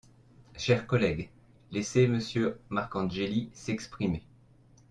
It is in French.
Chers collègues, laissez Monsieur Marcangeli s’exprimer.